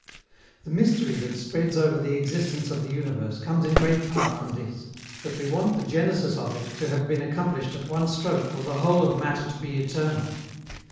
The mystery that spreads over the existence of the universe comes in great part from this, that we want the genesis of it to have been accomplished at one stroke or the whole of matter to be eternal.